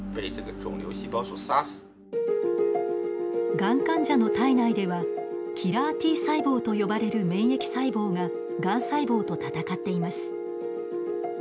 がん患者の体内ではキラーＴ細胞と呼ばれる免疫細胞ががん細胞と戦っています。